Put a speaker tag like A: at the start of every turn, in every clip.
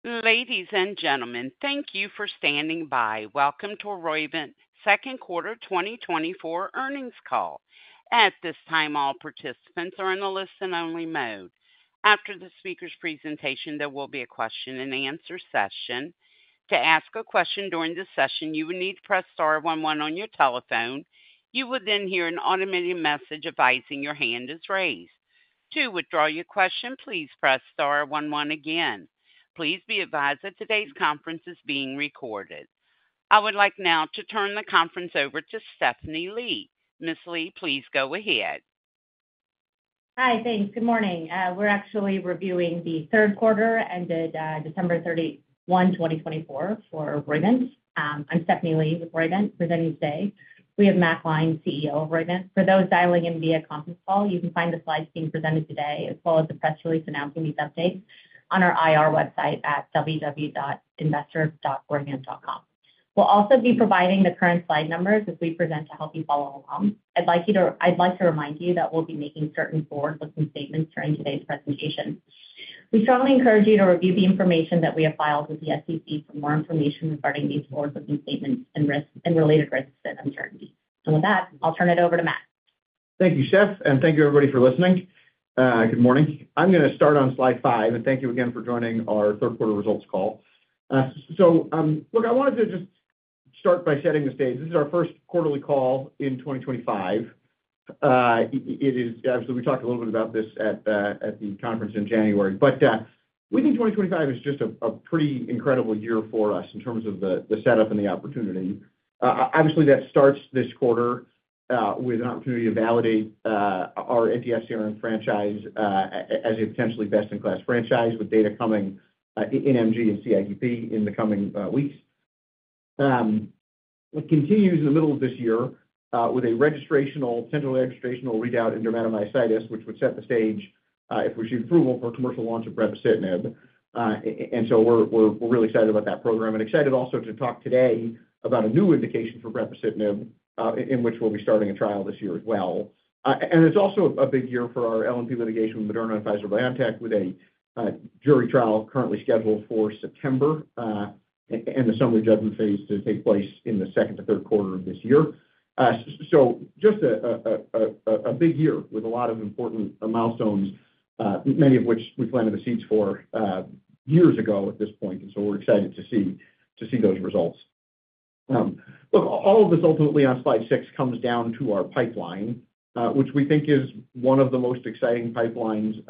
A: [inaudible] Ladies and gentlemen, thank you for standing by. Welcome to Roivant Second Quarter 2024 earnings call. At this time, all participants are in a listen-only mode. After the speaker's presentation, there will be a question-and-answer session. To ask a question during this session, you will need to press star 11 on your telephone. You will then hear an automated message advising your hand is raised. To withdraw your question, please press star 11 again. Please be advised that today's conference is being recorded. I would like now to turn the conference over to Stephanie Lee. Ms. Lee, please go ahead.
B: Hi, thanks. Good morning. We're actually reviewing the third quarter ended December 31, 2024, for Roivant. I'm Stephanie Lee Griffin with Roivant presenting today. We have Matt Gline, CEO of Roivant. For those dialing in via conference call, you can find the slides being presented today, as well as the press release announcing these updates on our IR website at www.investor.roivant.com. We'll also be providing the current slide numbers as we present to help you follow along. I'd like to remind you that we'll be making certain forward-looking statements during today's presentation. We strongly encourage you to review the information that we have filed with the SEC for more information regarding these forward-looking statements and related risks and uncertainties. And with that, I'll turn it over to Matt.
C: Thank you, Steph, and thank you, everybody, for listening. Good morning. I'm going to start on slide five, and thank you again for joining our third quarter results call. So look, I wanted to just start by setting the stage. This is our first quarterly call in 2025. We talked a little bit about this at the conference in January, but we think 2025 is just a pretty incredible year for us in terms of the setup and the opportunity. Obviously, that starts this quarter with an opportunity to validate our anti-FcRn franchise as a potentially best-in-class franchise with data coming in MG and CIDP in the coming weeks. It continues in the middle of this year with a central registrational readout in dermatomyositis, which would set the stage, if we receive approval, for commercial launch of brepocitinib. And so we're really excited about that program and excited also to talk today about a new indication for brepocitinib, in which we'll be starting a trial this year as well. And it's also a big year for our LNP litigation with Moderna and Pfizer-BioNTech, with a jury trial currently scheduled for September and the summary judgment phase to take place in the second to third quarter of this year. So just a big year with a lot of important milestones, many of which we planted the seeds for years ago at this point. And so we're excited to see those results. Look, all of this ultimately on slide six comes down to our pipeline, which we think is one of the most exciting pipelines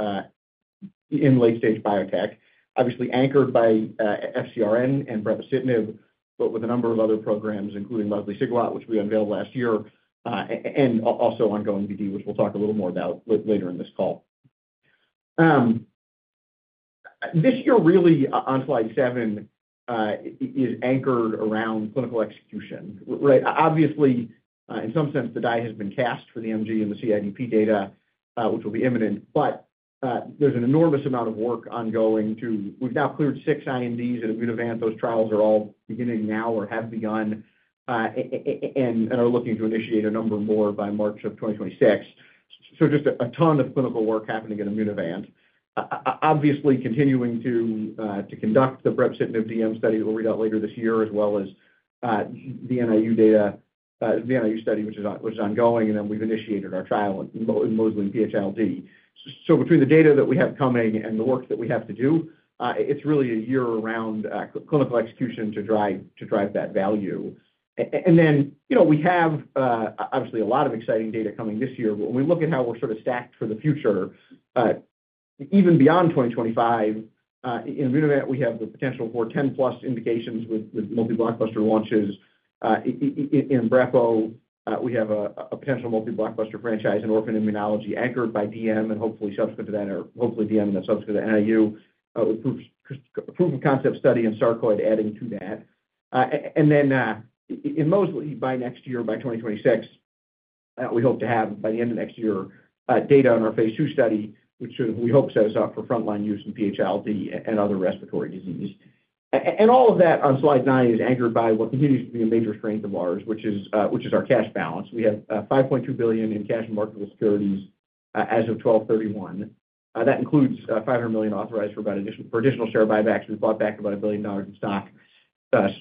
C: in late-stage biotech, obviously anchored by FcRn and brepocitinib, but with a number of other programs, including mosliciguat, which we unveiled last year, and also ongoing VTAMA, which we'll talk a little more about later in this call. This year really, on slide seven, is anchored around clinical execution. Obviously, in some sense, the die has been cast for the MG and the CIDP data, which will be imminent, but there's an enormous amount of work ongoing too. We've now cleared six INDs that Immunovant those trials are all beginning now or have begun and are looking to initiate a number more by March of 2026. So just a ton of clinical work happening at Immunovant. Obviously, continuing to conduct the brepocitinib DM study that we'll read out later this year, as well as the NIU study, which is ongoing, and then we've initiated our trial in mosliciguat and PH-ILD. So between the data that we have coming and the work that we have to do, it's really a year-round clinical execution to drive that value. And then we have, obviously, a lot of exciting data coming this year, but when we look at how we're sort of stacked for the future, even beyond 2025, in Immunovant, we have the potential for 10-plus indications with multi-blockbuster launches. In Priovant, we have a potential multi-blockbuster franchise in orphan immunology anchored by DM, and hopefully subsequent to that, or hopefully DM and then subsequent to NIU, with proof of concept study and sarcoidosis adding to that. Then in mosliciguat, by next year, by 2026, we hope to have, by the end of next year, data on our Phase 2 study, which we hope sets us up for frontline use in PH-ILD and other respiratory disease. All of that on slide nine is anchored by what continues to be a major strength of ours, which is our cash balance. We have $5.2 billion in cash and marketable securities as of 12/31. That includes $500 million authorized for additional share buybacks. We bought back about $1 billion in stock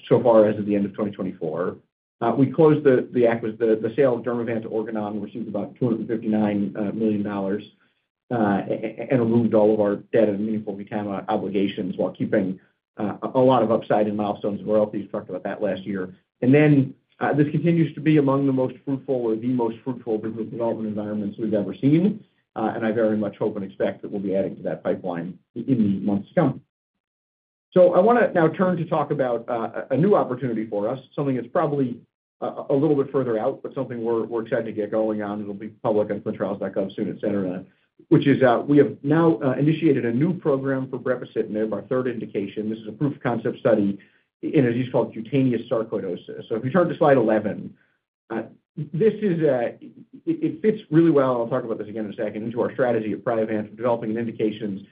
C: so far as of the end of 2024. We closed the sale of Dermavant to Organon, received about $259 million, and removed all of our debt and meaningful retirement obligations while keeping a lot of upside in milestones of royalty. We talked about that last year. And then this continues to be among the most fruitful business development environments we've ever seen, and I very much hope and expect that we'll be adding to that pipeline in the months to come. I want to now turn to talk about a new opportunity for us, something that's probably a little bit further out, but something we're excited to get going on. It'll be public on clinicaltrials.gov soon at center, which is we have now initiated a new program for brepocitinib, our third indication. This is a proof of concept study, and it's called cutaneous sarcoidosis. If you turn to slide 11, this is. It fits really well, and I'll talk about this again in a second, into our strategy at Priovant for developing an indication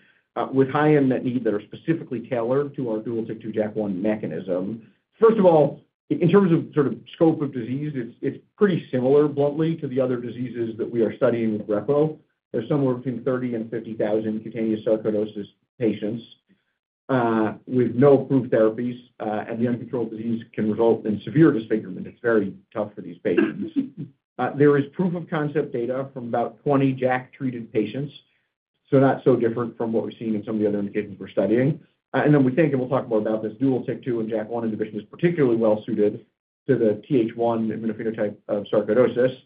C: with high unmet need that are specifically tailored to our dual TYK2 JAK1 mechanism. First of all, in terms of sort of scope of disease, it's pretty similar, bluntly, to the other diseases that we are studying with brepocitinib. There's somewhere between 30,000 and 50,000 cutaneous sarcoidosis patients with no approved therapies, and the uncontrolled disease can result in severe disfigurement. It's very tough for these patients. There is proof of concept data from about 20 JAK-treated patients, so not so different from what we're seeing in some of the other indications we're studying. And then we think, and we'll talk more about this, dual TYK2 and JAK1 inhibition is particularly well-suited to the Th1 immunophenotype of sarcoidosis.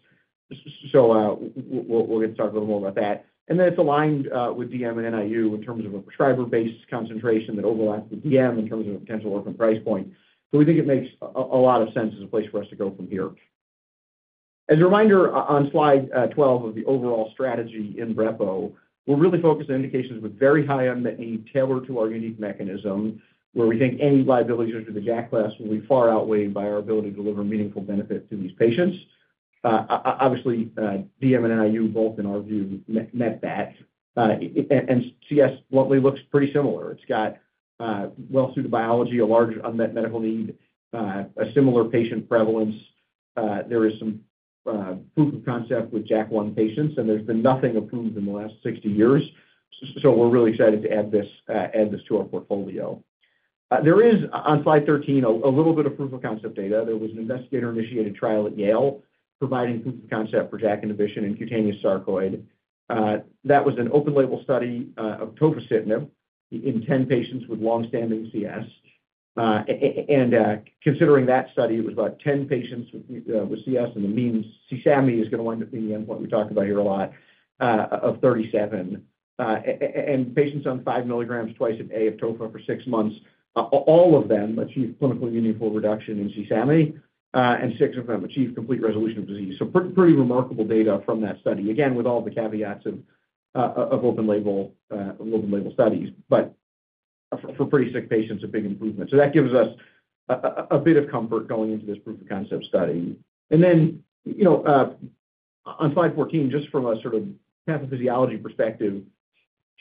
C: So we'll get to talk a little more about that. And then it's aligned with DM and NIU in terms of a prescriber-based concentration that overlaps with DM in terms of a potential orphan price point. So we think it makes a lot of sense as a place for us to go from here. As a reminder, on slide 12 of the overall strategy in brepocitinib, we're really focused on indications with very high unmet need tailored to our unique mechanism, where we think any liabilities to the JAK class will be far outweighed by our ability to deliver meaningful benefit to these patients. Obviously, DM and NIU, both in our view, met that. And CS, bluntly, looks pretty similar. It's got well-suited biology, a large unmet medical need, a similar patient prevalence. There is some proof of concept with JAK1 patients, and there's been nothing approved in the last 60 years. So we're really excited to add this to our portfolio. There is, on slide 13, a little bit of proof of concept data. There was an investigator-initiated trial at Yale providing proof of concept for JAK inhibition in cutaneous sarcoidosis. That was an open-label study of tofacitinib in 10 patients with long-standing CS, and considering that study, it was about 10 patients with CS, and the mean CSAMI is going to wind up being the endpoint we talk about here a lot, of 37, and patients on five milligrams twice a day of tofa for six months, all of them achieved clinical uniform reduction in CSAMI, and six of them achieved complete resolution of disease, so pretty remarkable data from that study, again, with all the caveats of open-label studies, but for pretty sick patients, a big improvement, so that gives us a bit of comfort going into this proof of concept study. On slide 14, just from a sort of pathophysiology perspective,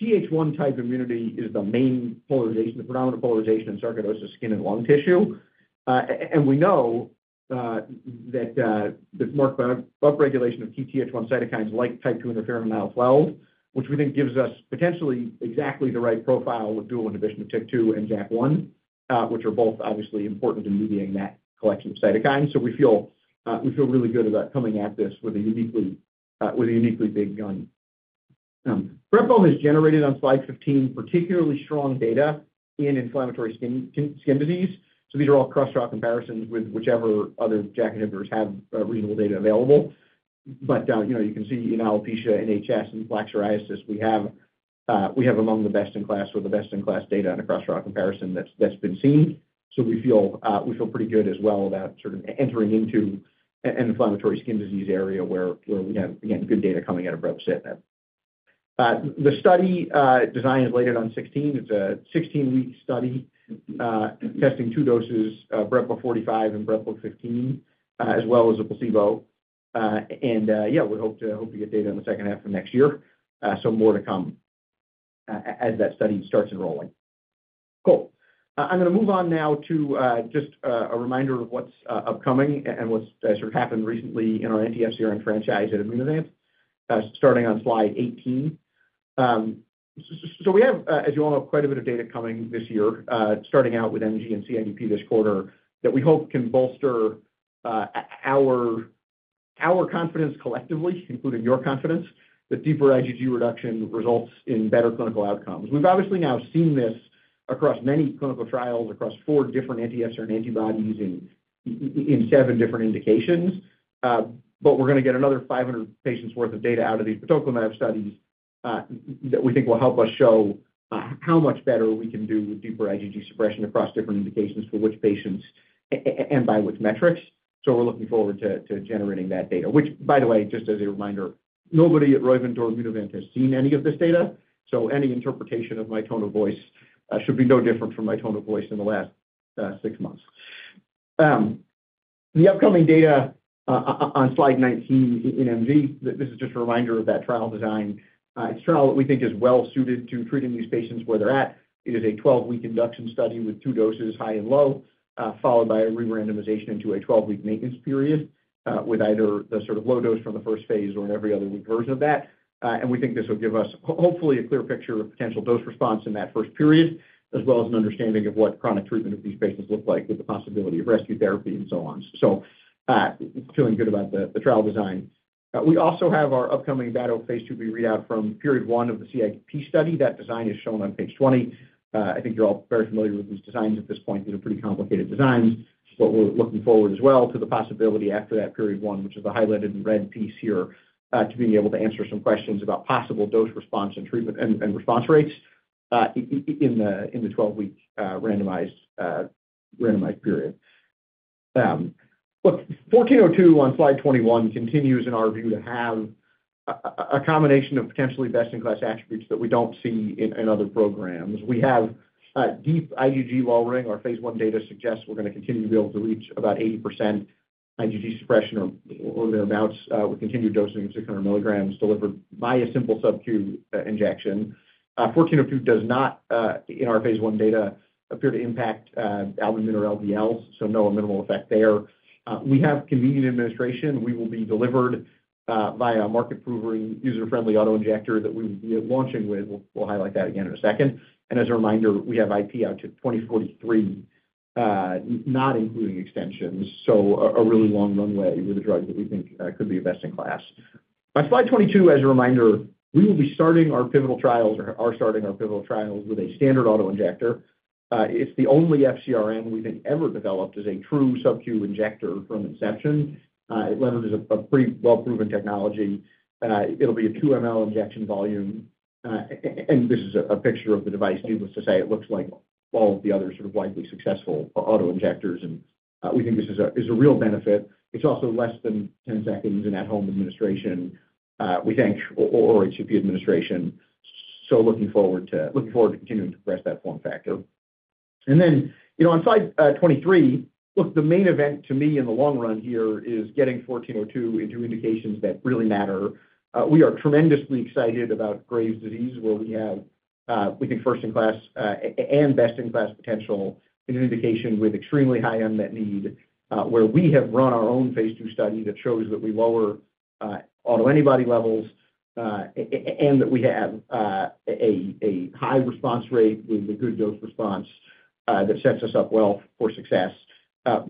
C: Th1-type immunity is the main polarization, the predominant polarization in sarcoidosis, skin and lung tissue. We know that there's marked upregulation of Th1 cytokines like type II interferon, IL-12, which we think gives us potentially exactly the right profile with dual inhibition of TYK2 and JAK1, which are both obviously important in mediating that collection of cytokines. We feel really good about coming at this with a uniquely big gun. brepocitinib has generated, on slide 15, particularly strong data in inflammatory skin disease. These are all cross-trial comparisons with whichever other JAK inhibitors have reasonable data available. But you can see in alopecia, in HS, in plaque psoriasis, we have among the best-in-class with the best-in-class data in a cross-trial comparison that's been seen. So we feel pretty good as well about sort of entering into an inflammatory skin disease area where we have, again, good data coming out of brepocitinib. The study design is on slide 16. It's a 16-week study testing two doses, brepocitinib 45 and brepocitinib 15, as well as a placebo, and yeah, we hope to get data in the second half of next year. So more to come as that study starts enrolling. Cool. I'm going to move on now to just a reminder of what's upcoming and what's sort of happened recently in our anti-FcRn franchise at Immunovant, starting on slide 18. So we have, as you all know, quite a bit of data coming this year, starting out with MG and CIDP this quarter that we hope can bolster our confidence collectively, including your confidence, that deeper IgG reduction results in better clinical outcomes. We've obviously now seen this across many clinical trials, across four different FcRn antibodies in seven different indications. But we're going to get another 500 patients' worth of data out of these protocol-enabled studies that we think will help us show how much better we can do with deeper IgG suppression across different indications for which patients and by which metrics. So we're looking forward to generating that data, which, by the way, just as a reminder, nobody at Roivant or Immunovant has seen any of this data. So any interpretation of my tone of voice should be no different from my tone of voice in the last six months. The upcoming data on slide 19 in MG. This is just a reminder of that trial design. It's a trial that we think is well-suited to treating these patients where they're at. It is a 12-week induction study with two doses, high and low, followed by a re-randomization into a 12-week maintenance period with either the sort of low dose from the first Phase or an every other week version of that. And we think this will give us, hopefully, a clear picture of potential dose response in that first period, as well as an understanding of what chronic treatment of these patients looks like with the possibility of rescue therapy and so on. So feeling good about the trial design. We also have our upcoming batoclimab Phase 2b readout from period one of the CIDP study. That design is shown on page 20. I think you're all very familiar with these designs at this point. These are pretty complicated designs. But we're looking forward as well to the possibility after that Phase 1, which is the highlighted in red piece here, to being able to answer some questions about possible dose response and response rates in the 12-week randomized period. Look, 1402 on slide 21 continues, in our view, to have a combination of potentially best-in-class attributes that we don't see in other programs. We have deep IgG lowering. Our Phase 1 data suggests we're going to continue to be able to reach about 80% IgG suppression or thereabouts with continued dosing of 600 milligrams delivered by a simple SubQ injection. 1402 does not, in our Phase 1 data, appear to impact albumin or LDLs, so minimal effect there. We have convenient administration. It will be delivered via a market-proven user-friendly auto injector that we will be launching with. We'll highlight that again in a second. As a reminder, we have IP out to 2043, not including extensions, so a really long runway with a drug that we think could be a best-in-class. On slide 22, as a reminder, we will be starting our pivotal trials or are starting our pivotal trials with a standard autoinjector. It's the only FcRn we think ever developed as a true SubQ injector from inception. It leverages a pretty well-proven technology. It'll be a 2 mL injection volume. And this is a picture of the device. Needless to say, it looks like all of the other sort of widely successful autoinjectors. And we think this is a real benefit. It's also less than 10 seconds in at-home administration, we think, or HCP administration. So looking forward to continuing to progress that form factor. And then on slide 23, look, the main event to me in the long run here is getting 1402 into indications that really matter. We are tremendously excited about Graves' disease, where we have we think first-in-class and best-in-class potential in an indication with extremely high unmet need, where we have run our own Phase 2 study that shows that we lower autoantibody levels and that we have a high response rate with a good dose response that sets us up well for success.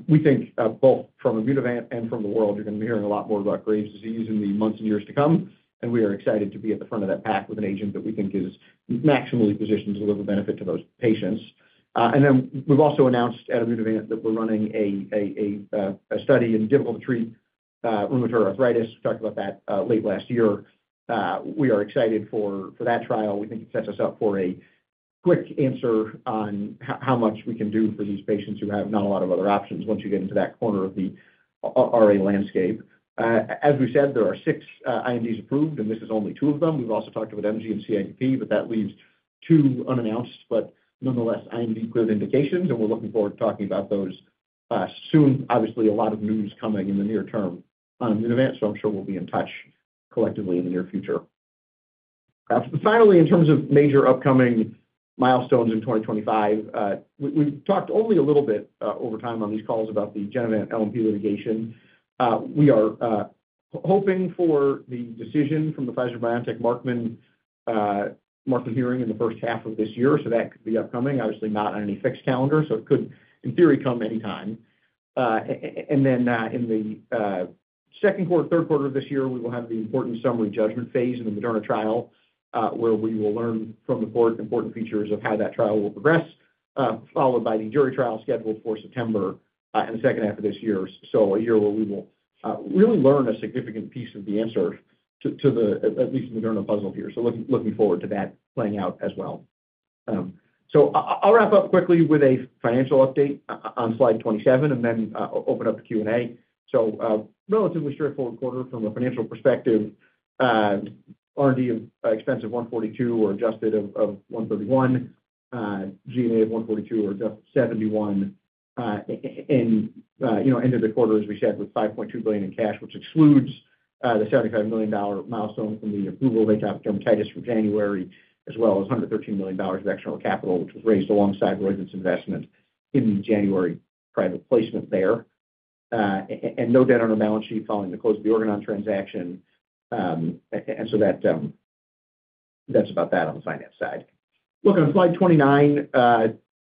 C: We think both from Immunovant and from the world, you're going to be hearing a lot more about Graves disease in the months and years to come. And we are excited to be at the front of that pack with an agent that we think is maximally positioned to deliver benefit to those patients. And then we've also announced at Immunovant that we're running a study in difficult-to-treat rheumatoid arthritis. We talked about that late last year. We are excited for that trial. We think it sets us up for a quick answer on how much we can do for these patients who have not a lot of other options once you get into that corner of the RA landscape. As we said, there are six INDs approved, and this is only two of them. We've also talked about MG and CIDP, but that leaves two unannounced, but nonetheless, IND-cleared indications. And we're looking forward to talking about those soon. Obviously, a lot of news coming in the near term on Immunovant, so I'm sure we'll be in touch collectively in the near future. Finally, in terms of major upcoming milestones in 2025, we've talked only a little bit over time on these calls about the Genevant LNP litigation. We are hoping for the decision from the Pfizer-BioNTech Markman hearing in the first half of this year. So that could be upcoming, obviously not on any fixed calendar. So it could, in theory, come any time. And then in the second quarter, third quarter of this year, we will have the important summary judgment Phase in the Moderna trial, where we will learn from the court important features of how that trial will progress, followed by the jury trial scheduled for September in the second half of this year. So a year where we will really learn a significant piece of the answer to the, at least, Moderna puzzle here. So looking forward to that playing out as well. So I'll wrap up quickly with a financial update on slide 27, and then open up the Q&A. So relatively straightforward quarter from a financial perspective. R&D expense of $142 million or adjusted $131 million. G&A of $142 million or adjusted $71 million. And end of the quarter, as we said, with $5.2 billion in cash, which excludes the $75 million milestone from the approval of atopic dermatitis for January, as well as $113 million of external capital, which was raised alongside Roivant's investment in the January private placement there. And no debt on our balance sheet following the close of the Organon transaction. And so that's about that on the finance side. Look, on slide 29,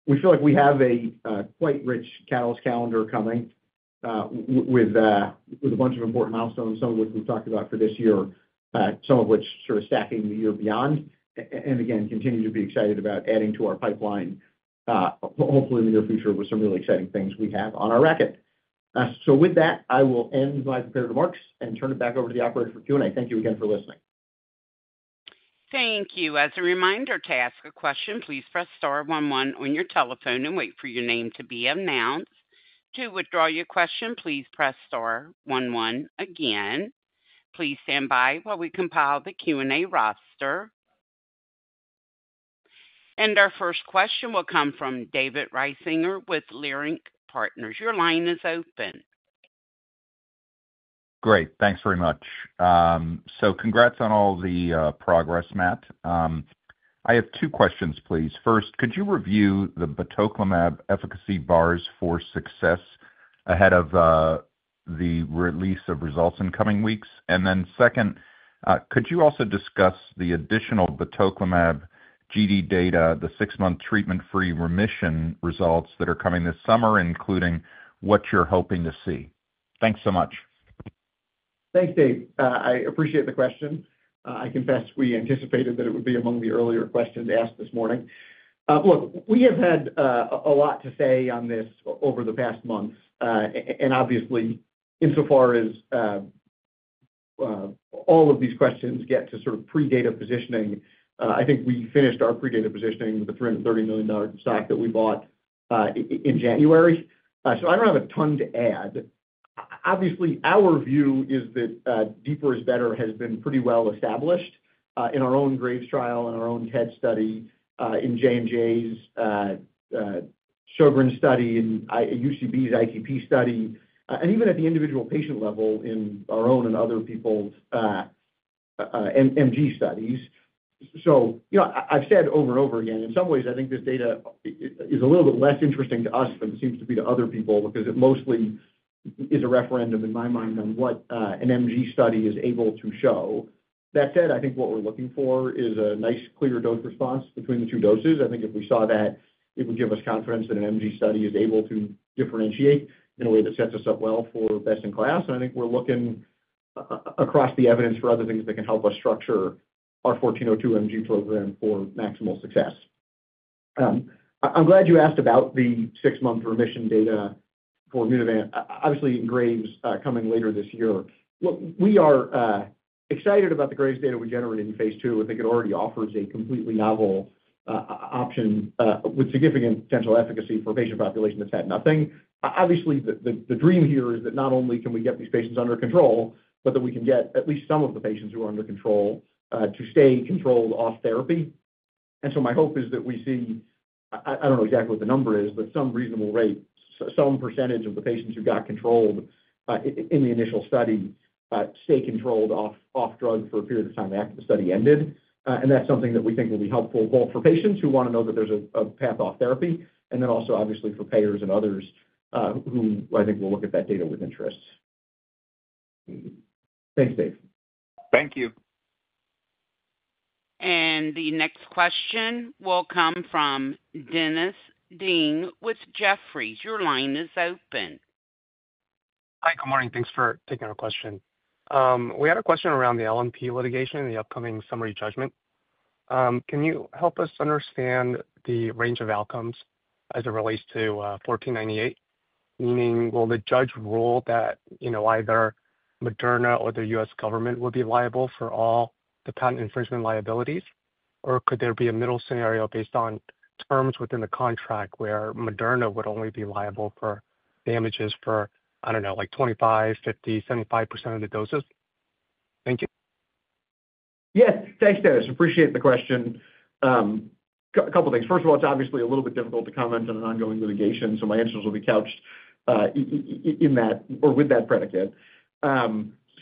C: we feel like we have a quite rich catalyst calendar coming with a bunch of important milestones, some of which we've talked about for this year, some of which sort of stacking the year beyond. And again, continue to be excited about adding to our pipeline, hopefully in the near future, with some really exciting things we have on our radar. So with that, I will end my prepared remarks and turn it back over to the operator for Q&A. Thank you again for listening.
A: Thank you. As a reminder to ask a question, please press star 11 on your telephone and wait for your name to be announced. To withdraw your question, please press star 11 again. Please stand by while we compile the Q&A roster. And our first question will come from David Risinger with Leerink Partners. Your line is open.
D: Great. Thanks very much. So congrats on all the progress, Matt. I have two questions, please. First, could you review the batoclimab efficacy bars for success ahead of the release of results in coming weeks? And then second, could you also discuss the additional batoclimab GD data, the six-month treatment-free remission results that are coming this summer, including what you're hoping to see? Thanks so much.
C: Thanks, Dave. I appreciate the question. I confess we anticipated that it would be among the earlier questions asked this morning. Look, we have had a lot to say on this over the past month. And obviously, insofar as all of these questions get to sort of Predata positioning, I think we finished our Predata positioning with the $330 million stock that we bought in January. So I don't have a ton to add. Obviously, our view is that deeper is better has been pretty well established in our own Graves trial, in our own TED study, in J&J's Sjogren's study, in UCB's ITP study, and even at the individual patient level in our own and other people's MG studies. So I've said over and over again, in some ways, I think this data is a little bit less interesting to us than it seems to be to other people because it mostly is a referendum in my mind on what an MG study is able to show. That said, I think what we're looking for is a nice, clear dose response between the two doses. I think if we saw that, it would give us confidence that an MG study is able to differentiate in a way that sets us up well for best-in-class. And I think we're looking across the evidence for other things that can help us structure our 1402 MG program for maximal success. I'm glad you asked about the six-month remission data for Immunovant, obviously in Graves coming later this year. Look, we are excited about the Graves data we generated in Phase 2. I think it already offers a completely novel option with significant potential efficacy for a patient population that's had nothing. Obviously, the dream here is that not only can we get these patients under control, but that we can get at least some of the patients who are under control to stay controlled off therapy. And so my hope is that we see, I don't know exactly what the number is, but some reasonable rate, some percentage of the patients who got controlled in the initial study stay controlled off drug for a period of time after the study ended. And that's something that we think will be helpful both for patients who want to know that there's a path off therapy and then also, obviously, for payers and others who I think will look at that data with interest. Thanks, Dave.
D: Thank you.
A: The next question will come from Dennis Ding with Jefferies. Your line is open.
E: Hi, good morning. Thanks for taking our question. We had a question around the LNP litigation and the upcoming summary judgment. Can you help us understand the range of outcomes as it relates to 1498? Meaning, will the judge rule that either Moderna or the U.S. government will be liable for all the patent infringement liabilities? Or could there be a middle scenario based on terms within the contract where Moderna would only be liable for damages for, I don't know, like 25%, 50%, 75% of the doses? Thank you.
C: Yes. Thanks, Dennis. Appreciate the question. A couple of things. First of all, it's obviously a little bit difficult to comment on an ongoing litigation, so my answers will be couched in that or with that predicate.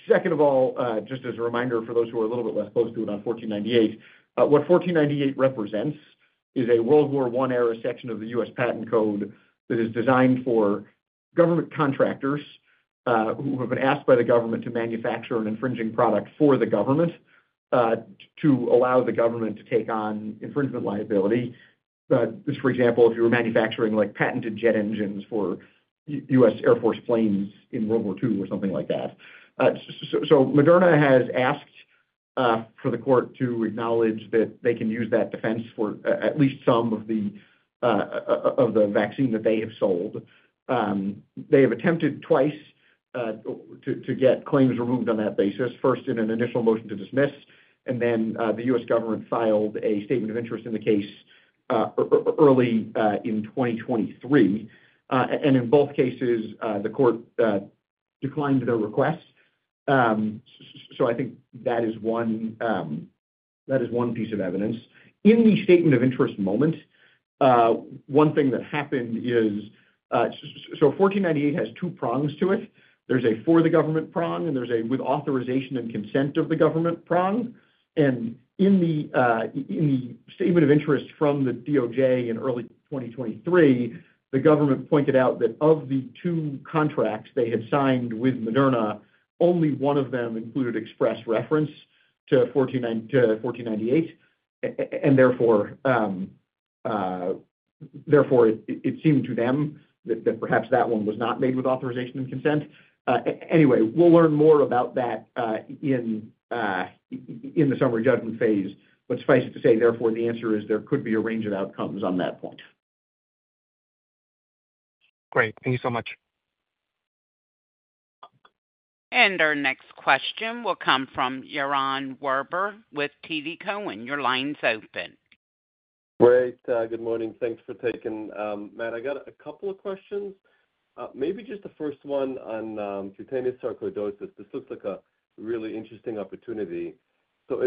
C: Second of all, just as a reminder for those who are a little bit less close to it on 1498, what 1498 represents is a World War I era section of the U.S. patent code that is designed for government contractors who have been asked by the government to manufacture an infringing product for the government to allow the government to take on infringement liability. For example, if you were manufacturing patented jet engines for U.S. Air Force planes in World War II or something like that. So Moderna has asked for the court to acknowledge that they can use that defense for at least some of the vaccine that they have sold. They have attempted twice to get claims removed on that basis, first in an initial motion to dismiss, and then the U.S. government filed a statement of interest in the case early in 2023, and in both cases, the court declined their request, so I think that is one piece of evidence. In the statement of interest memo, one thing that happened is Section 1498 has two prongs to it. There's a for-the-government prong, and there's a with authorization and consent of the government prong. And in the statement of interest from the DOJ in early 2023, the government pointed out that of the two contracts they had signed with Moderna, only one of them included express reference to 1498. And therefore, it seemed to them that perhaps that one was not made with authorization and consent. Anyway, we'll learn more about that in the summary judgment Phase. But suffice it to say, therefore, the answer is there could be a range of outcomes on that point.
E: Great. Thank you so much.
A: Our next question will come from Yaron Werber with TD Cowen. Your line's open.
F: Great. Good morning. Thanks for taking, Matt. I got a couple of questions. Maybe just the first one on cutaneous sarcoidosis. This looks like a really interesting opportunity, so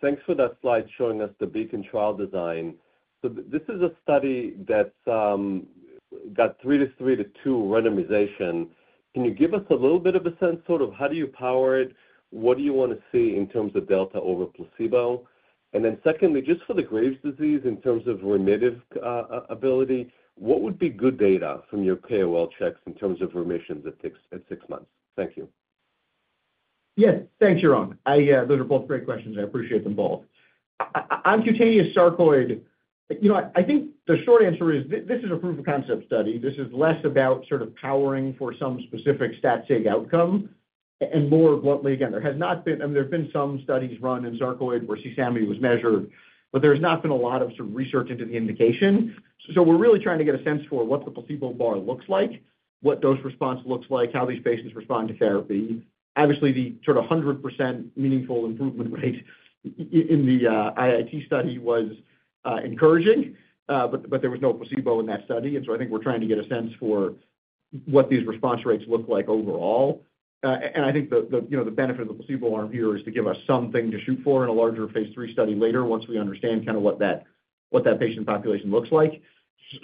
F: thanks for that slide showing us the BEACON trial design, so this is a study that's got 3 to 3 to 2 randomization. Can you give us a little bit of a sense sort of how do you power it? What do you want to see in terms of delta over placebo? And then secondly, just for the Graves' disease in terms of reliability, what would be good data from your KOL checks in terms of remissions at six months? Thank you.
C: Yes. Thanks, Yaron. Those are both great questions. I appreciate them both. On cutaneous sarcoid, I think the short answer is this is a proof of concept study. This is less about sort of powering for some specific stat-sig outcome and more bluntly, again, there has not been I mean, there have been some studies run in sarcoid where CSAMI was measured, but there has not been a lot of sort of research into the indication. So we're really trying to get a sense for what the placebo bar looks like, what dose response looks like, how these patients respond to therapy. Obviously, the sort of 100% meaningful improvement rate in the IIT study was encouraging, but there was no placebo in that study. And so I think we're trying to get a sense for what these response rates look like overall. And I think the benefit of the placebo arm here is to give us something to shoot for in a larger Phase 3 study later once we understand kind of what that patient population looks like.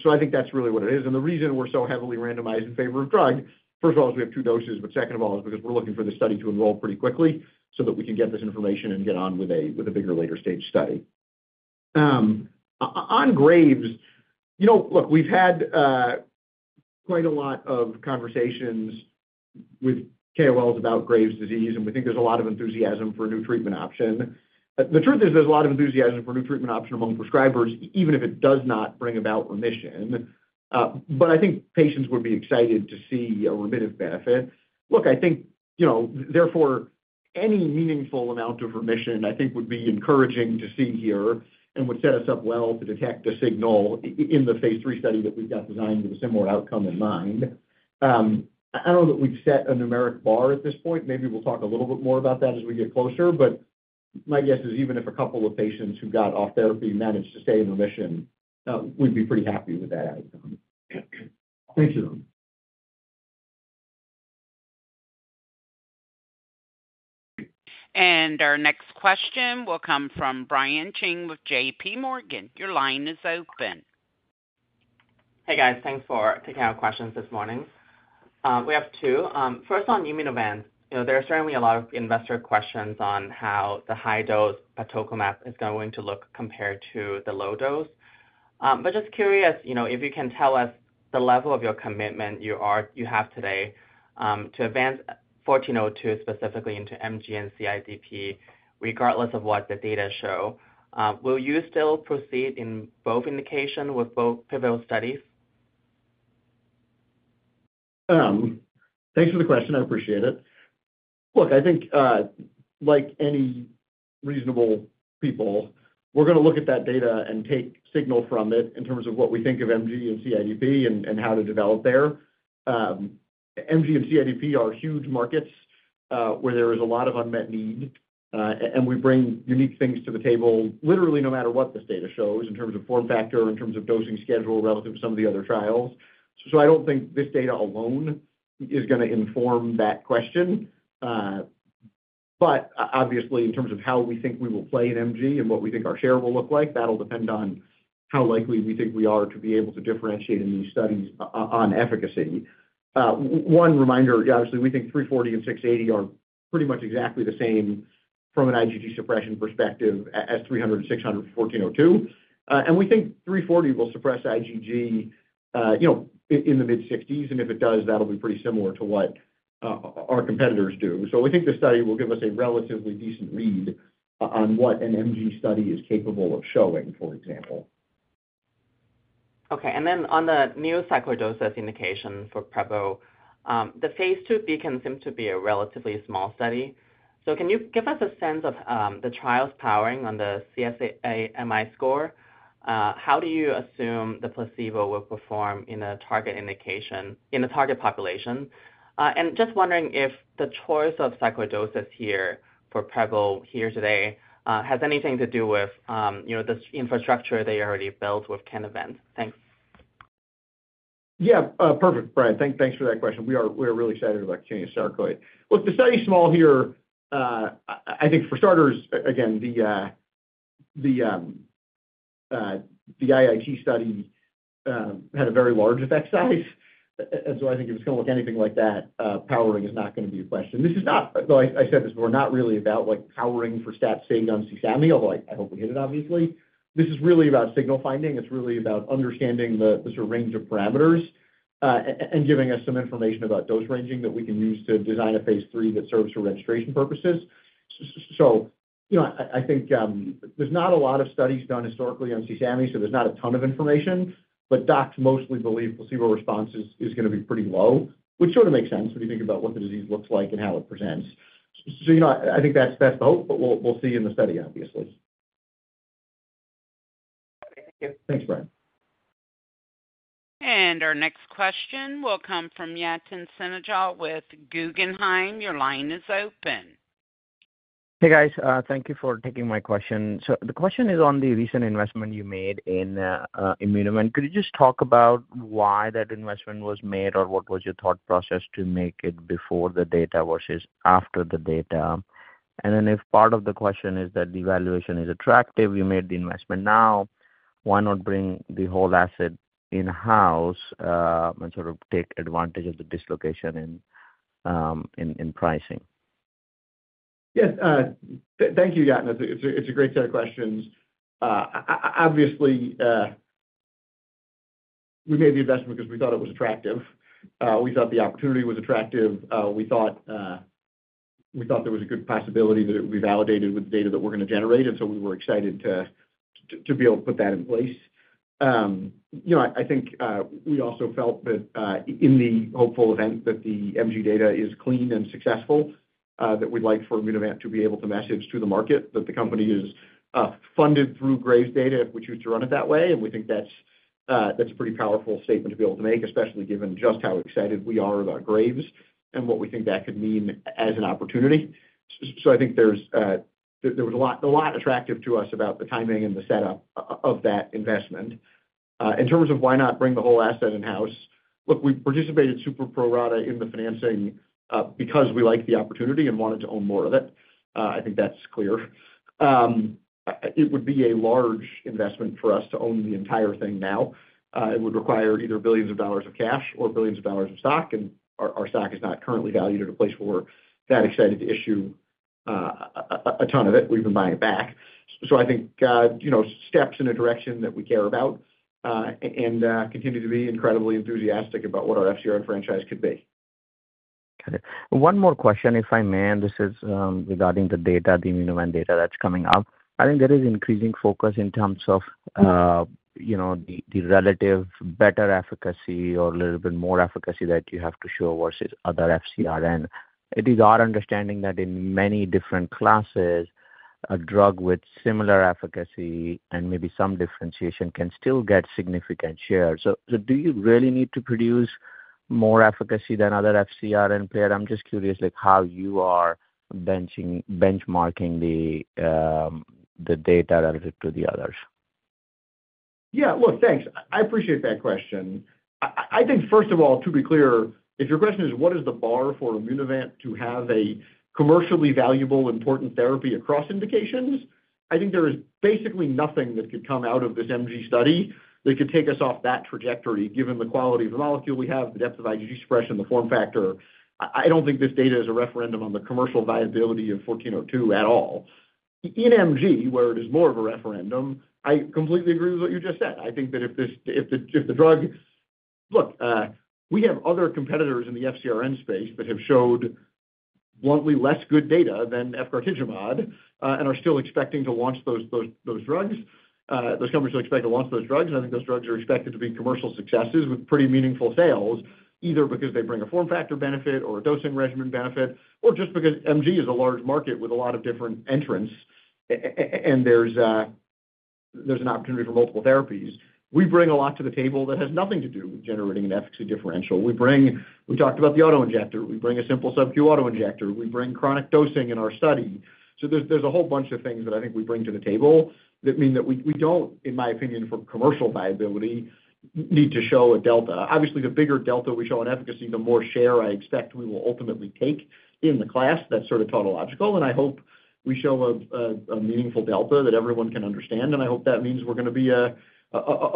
C: So I think that's really what it is. And the reason we're so heavily randomized in favor of drug, first of all, is we have two doses, but second of all, is because we're looking for this study to enroll pretty quickly so that we can get this information and get on with a bigger later-stage study. On Graves, look, we've had quite a lot of conversations with KOLs about Graves' disease, and we think there's a lot of enthusiasm for a new treatment option. The truth is there's a lot of enthusiasm for a new treatment option among prescribers, even if it does not bring about remission. But I think patients would be excited to see a remitted benefit. Look, I think therefore any meaningful amount of remission, I think, would be encouraging to see here and would set us up well to detect a signal in the Phase 3 study that we've got designed with a similar outcome in mind. I don't know that we've set a numeric bar at this point. Maybe we'll talk a little bit more about that as we get closer. But my guess is even if a couple of patients who got off therapy managed to stay in remission, we'd be pretty happy with that outcome.
F: Thank you.
A: Our next question will come from Brian Cheng with JPMorgan Chase & Co. Your line is open.
G: Hey, guys. Thanks for taking our questions this morning. We have two. First on Immunovant. There are certainly a lot of investor questions on how the high-dose batoclimab is going to look compared to the low dose. But just curious if you can tell us the level of your commitment you have today to advance 1402 specifically into MG and CIDP, regardless of what the data show. Will you still proceed in both indication with both pivotal studies?
C: Thanks for the question. I appreciate it. Look, I think like any reasonable people, we're going to look at that data and take signal from it in terms of what we think of MG and CIDP and how to develop there. MG and CIDP are huge markets where there is a lot of unmet need, and we bring unique things to the table literally no matter what this data shows in terms of form factor, in terms of dosing schedule relative to some of the other trials. So I don't think this data alone is going to inform that question. But obviously, in terms of how we think we will play in MG and what we think our share will look like, that'll depend on how likely we think we are to be able to differentiate in these studies on efficacy. One reminder, obviously, we think 340 and 680 are pretty much exactly the same from an IgG suppression perspective as 300 and 600 for 1402. And we think 340 will suppress IgG in the mid-60s. And if it does, that'll be pretty similar to what our competitors do. So we think this study will give us a relatively decent read on what an MG study is capable of showing, for example.
G: Okay. And then on the cutaneous sarcoidosis indication for Priovant, the Phase 2 BEACON seems to be a relatively small study. So can you give us a sense of the trial's powering on the CSAMI score? How do you assume the placebo will perform in a target population? And just wondering if the choice of sarcoidosis here for Priovant here today has anything to do with the infrastructure they already built with Kinevant? Thanks.
C: Yeah. Perfect, Brian. Thanks for that question. We are really excited about cutaneous sarcoidosis. Look, the study's small here. I think for starters, again, the IIT study had a very large effect size. And so I think if it's going to look anything like that, powering is not going to be a question. This is not, though I said this, we're not really about powering for stat-sig on CSAMI, although I hope we hit it, obviously. This is really about signal finding. It's really about understanding the sort of range of parameters and giving us some information about dose ranging that we can use to design a Phase 3 that serves for registration purposes. So I think there's not a lot of studies done historically on CSAMI, so there's not a ton of information. But docs mostly believe placebo response is going to be pretty low, which sort of makes sense when you think about what the disease looks like and how it presents. So I think that's the hope, but we'll see in the study, obviously.
G: Thank you.
C: Thanks, Brian.
A: And our next question will come from Yatin Suneja with Guggenheim. Your line is open.
H: Hey, guys. Thank you for taking my question. So the question is on the recent investment you made in Immunovant. Could you just talk about why that investment was made or what was your thought process to make it before the data versus after the data? And then if part of the question is that the valuation is attractive, you made the investment now, why not bring the whole asset in-house and sort of take advantage of the dislocation in pricing?
C: Yes. Thank you, Yatin. It's a great set of questions. Obviously, we made the investment because we thought it was attractive. We thought the opportunity was attractive. We thought there was a good possibility that it would be validated with the data that we're going to generate. And so we were excited to be able to put that in place. I think we also felt that in the hopeful event that the MG data is clean and successful, that we'd like for Immunovant to be able to message to the market that the company is funded through Graves' data, if we choose to run it that way. And we think that's a pretty powerful statement to be able to make, especially given just how excited we are about Graves and what we think that could mean as an opportunity. So I think there was a lot attractive to us about the timing and the setup of that investment. In terms of why not bring the whole asset in-house, look, we participated super pro rata in the financing because we liked the opportunity and wanted to own more of it. I think that's clear. It would be a large investment for us to own the entire thing now. It would require either billions of dollars of cash or billions of dollars of stock. And our stock is not currently valued at a place where we're that excited to issue a ton of it. We've been buying it back. So I think steps in a direction that we care about and continue to be incredibly enthusiastic about what our FcRn franchise could be.
H: Got it. One more question, if I may, and this is regarding the data, the Immunovant data that's coming up. I think there is increasing focus in terms of the relative better efficacy or a little bit more efficacy that you have to show versus other FcRn. It is our understanding that in many different classes, a drug with similar efficacy and maybe some differentiation can still get significant shares. So do you really need to produce more efficacy than other FcRn players? I'm just curious how you are benchmarking the data relative to the others.
C: Yeah. Well, thanks. I appreciate that question. I think, first of all, to be clear, if your question is what is the bar for Immunovant to have a commercially valuable, important therapy across indications, I think there is basically nothing that could come out of this MG study that could take us off that trajectory given the quality of the molecule we have, the depth of IgG suppression, the form factor. I don't think this data is a referendum on the commercial viability of 1402 at all. In MG, where it is more of a referendum, I completely agree with what you just said. I think that if the drug look, we have other competitors in the FcRn space that have showed bluntly less good data than efgartigimod and are still expecting to launch those drugs. Those companies are expected to launch those drugs. I think those drugs are expected to be commercial successes with pretty meaningful sales, either because they bring a form factor benefit or a dosing regimen benefit, or just because MG is a large market with a lot of different entrants, and there's an opportunity for multiple therapies. We bring a lot to the table that has nothing to do with generating an efficacy differential. We talked about the autoinjector. We bring a simple SubQ autoinjector. We bring chronic dosing in our study. So there's a whole bunch of things that I think we bring to the table that mean that we don't, in my opinion, for commercial viability, need to show a delta. Obviously, the bigger delta we show in efficacy, the more share I expect we will ultimately take in the class. That's sort of tautological. And I hope we show a meaningful delta that everyone can understand. And I hope that means we're going to be a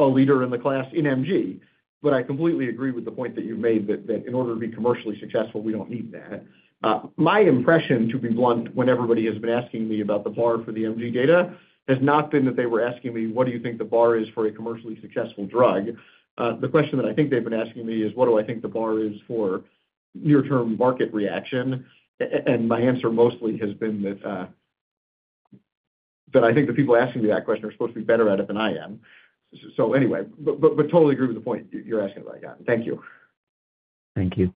C: leader in the class in MG. But I completely agree with the point that you've made that in order to be commercially successful, we don't need that. My impression, to be blunt, when everybody has been asking me about the bar for the MG data has not been that they were asking me, "What do you think the bar is for a commercially successful drug?" The question that I think they've been asking me is, "What do I think the bar is for near-term market reaction?" And my answer mostly has been that I think the people asking me that question are supposed to be better at it than I am. So anyway, but totally agree with the point you're asking about, Yatin. Thank you.
H: Thank you.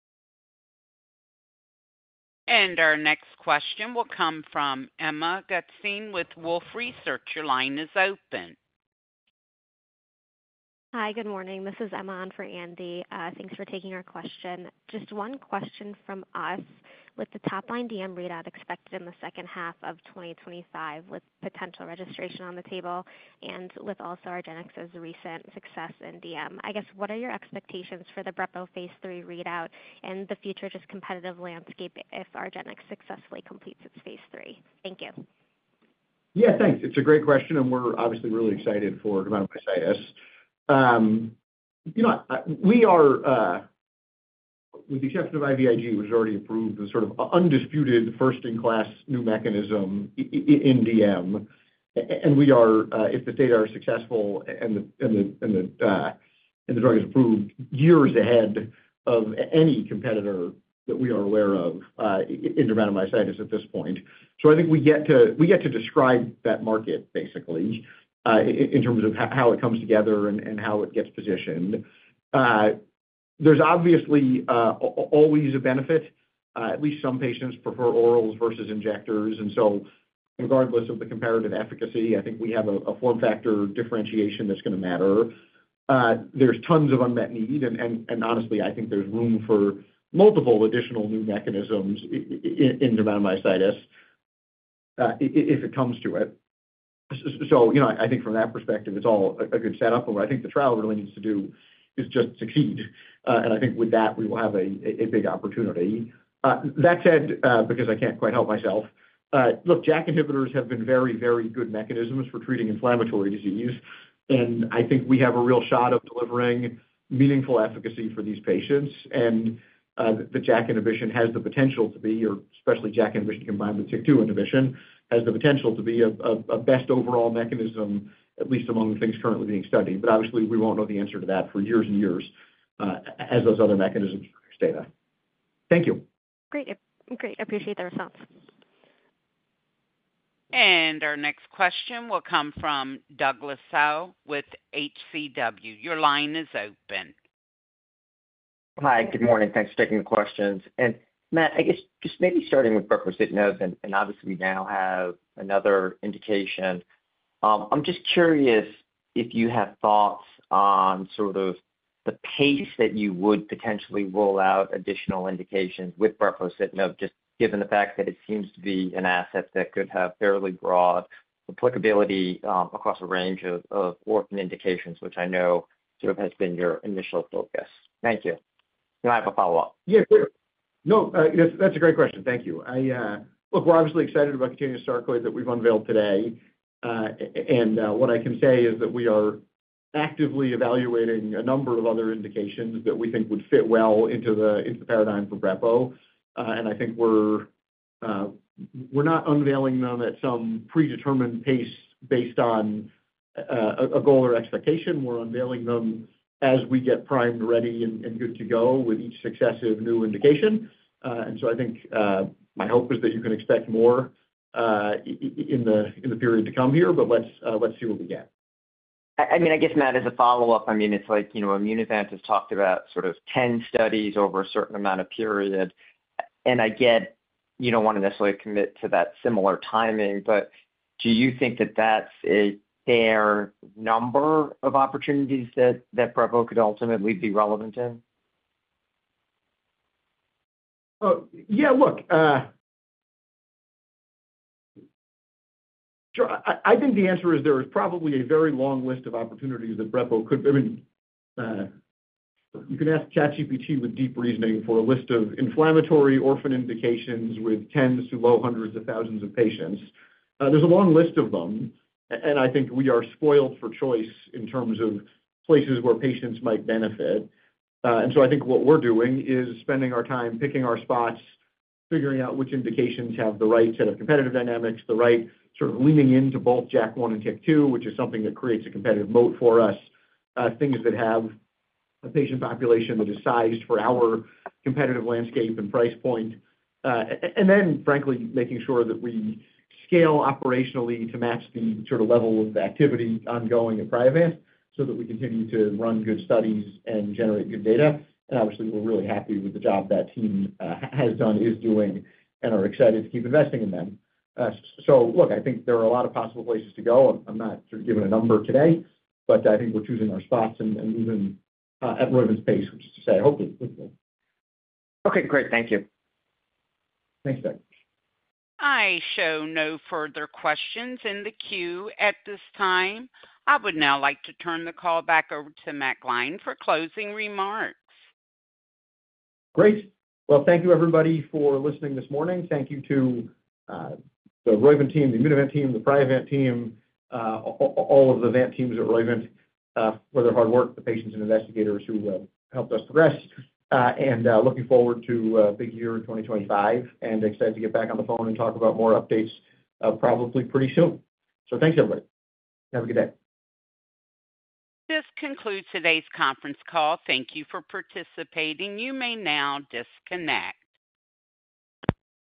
A: Our next question will come from Emma Gutstein with Wolfe Research. Your line is open.
I: Hi, good morning. This is Emma on for Andy. Thanks for taking our question. Just one question from us. With the top-line DM readout expected in the second half of 2025 with potential registration on the table and with also Argenx's recent success in DM, I guess, what are your expectations for the Brepo Phase 3 readout and the future just competitive landscape if Argenx successfully completes its Phase 3? Thank you.
C: Yeah, thanks. It's a great question, and we're obviously really excited for dermatomyositis. With the exception of IVIG, which has already approved the sort of undisputed first-in-class new mechanism in DM, and we are, if the data are successful and the drug is approved, years ahead of any competitor that we are aware of in dermatomyositis at this point, so I think we get to describe that market, basically, in terms of how it comes together and how it gets positioned. There's obviously always a benefit. At least some patients prefer orals versus injectors, and so regardless of the comparative efficacy, I think we have a form factor differentiation that's going to matter. There's tons of unmet need, and honestly, I think there's room for multiple additional new mechanisms in dermatomyositis if it comes to it, so I think from that perspective, it's all a good setup. What I think the trial really needs to do is just succeed. I think with that, we will have a big opportunity. That said, because I can't quite help myself, look, JAK inhibitors have been very, very good mechanisms for treating inflammatory disease. I think we have a real shot of delivering meaningful efficacy for these patients. The JAK inhibition has the potential to be, or especially JAK inhibition combined with TYK2 inhibition, has the potential to be a best overall mechanism, at least among the things currently being studied. But obviously, we won't know the answer to that for years and years as those other mechanisms produce data. Thank you.
I: Great. I appreciate the response.
A: Our next question will come from Douglas Tsao with H.C. Wainwright. Your line is open.
J: Hi, good morning. Thanks for taking the questions. And Matt, I guess just maybe starting with brepocitinib, and obviously, we now have another indication. I'm just curious if you have thoughts on sort of the pace that you would potentially roll out additional indications with brepocitinib, just given the fact that it seems to be an asset that could have fairly broad applicability across a range of organ indications, which I know sort of has been your initial focus? Thank you. And I have a follow-up.
C: Yeah, sure. No, that's a great question. Thank you. Look, we're obviously excited about cutaneous sarcoidosis that we've unveiled today, and what I can say is that we are actively evaluating a number of other indications that we think would fit well into the paradigm for brepocitinib, and I think we're not unveiling them at some predetermined pace based on a goal or expectation. We're unveiling them as we get primed, ready, and good to go with each successive new indication, and so I think my hope is that you can expect more in the period to come here, but let's see what we get.
J: I mean, I guess, Matt, as a follow-up, I mean, it's like Immunovant has talked about sort of 10 studies over a certain amount of period, and I get you don't want to necessarily commit to that similar timing, but do you think that that's a fair number of opportunities that brepocitinib could ultimately be relevant in?
C: Yeah. Look, I think the answer is there is probably a very long list of opportunities that brepocitinib could. I mean, you can ask ChatGPT with deep reasoning for a list of inflammatory orphan indications with tens to low hundreds of thousands of patients. There's a long list of them. And I think we are spoiled for choice in terms of places where patients might benefit. And so I think what we're doing is spending our time picking our spots, figuring out which indications have the right set of competitive dynamics, the right sort of leaning into both JAK1 and TYK2, which is something that creates a competitive moat for us, things that have a patient population that is sized for our competitive landscape and price point. Then, frankly, making sure that we scale operationally to match the sort of level of activity ongoing at Priovant so that we continue to run good studies and generate good data. Obviously, we're really happy with the job that team has done is doing and are excited to keep investing in them. Look, I think there are a lot of possible places to go. I'm not sort of giving a number today, but I think we're choosing our spots and moving at Roivant's pace, which is to say, hopefully.
J: Okay. Great. Thank you.
C: Thanks, Doug.
A: I show no further questions in the queue at this time. I would now like to turn the call back over to Matt Gline for closing remarks.
C: Great. Well, thank you, everybody, for listening this morning. Thank you to the Roivant team, the Immunovant team, the Priovant team, all of the VANT teams at Roivant for their hard work, the patients and investigators who helped us progress, and looking forward to a big year in 2025 and excited to get back on the phone and talk about more updates probably pretty soon, so thanks, everybody. Have a good day.
A: This concludes today's conference call. Thank you for participating. You may now disconnect.